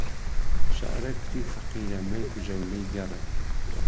شەعره کوتی فهقيره مهیکوژه و لیی گەڕێ